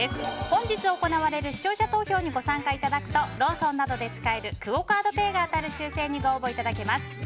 本日行われる視聴者投票にご参加いただくとローソンなどで使えるクオ・カードペイが当たる抽選にご応募いただけます。